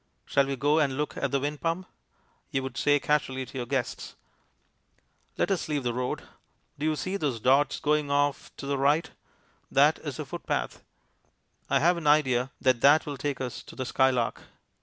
"Shall we go and look at the wind pump?" you would say casually to your guests. Let us leave the road. Do you see those dots going off to the right? That is a footpath. I have an idea that that will take us to the skylark.